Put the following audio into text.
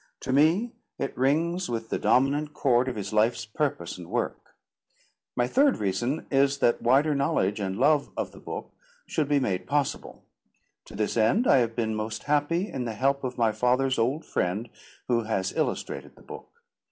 To me it rings with the dominant chord of his life's purpose and work. My third reason is that wider knowledge and love of the book should be made possible. To this end I have been most happy in the help of my father's old friend, who has illustrated the book.